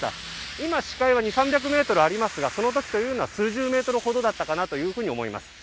今視界は２００３００ｍありますがその時というのは数十メートルほどだったかなと思います。